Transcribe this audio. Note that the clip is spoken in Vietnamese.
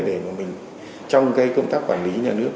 để mà mình trong cái công tác quản lý nhà nước